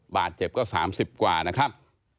บาดเจ็บก็๓๐กว่านะครับ